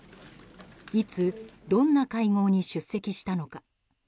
いつ、どんな会合に出席したのか。